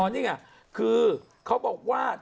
นี่ไงคือเขาบอกว่า